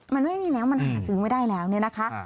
มันไม่มีแล้วมันหาซื้อไม่ได้แล้วเนี่ยนะคะ